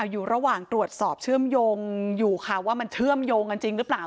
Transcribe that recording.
อยู่ระหว่างตรวจสอบเชื่อมโยงอยู่ค่ะว่ามันเชื่อมโยงกันจริงหรือเปล่า